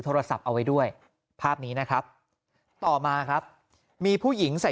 โทรศัพท์เอาไว้ด้วยภาพนี้นะครับต่อมาครับมีผู้หญิงใส่